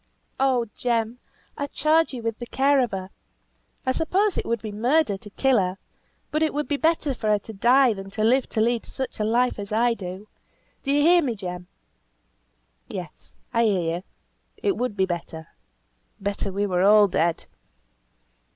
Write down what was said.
"Oh! Jem, I charge you with the care of her! I suppose it would be murder to kill her, but it would be better for her to die than to live to lead such a life as I do. Do you hear me, Jem?" "Yes! I hear you. It would be better. Better we were all dead."